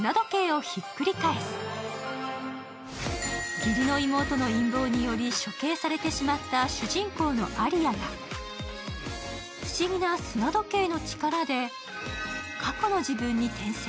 義理の妹の陰謀により、処刑されてしまった主人公のアリアが不思議な砂時の力で過去の自分に転生。